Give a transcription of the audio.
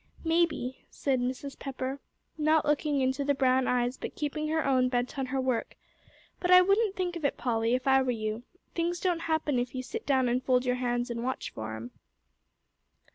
"Maybe," said Mrs. Pepper, not looking into the brown eyes, but keeping her own bent on her work; "but I wouldn't think of it, Polly, if I were you. Things don't happen if you sit down and fold your hands and watch for 'em."